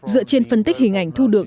dựa trên phân tích hình ảnh thu được